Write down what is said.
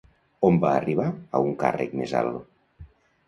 On va arribar a un càrrec més alt?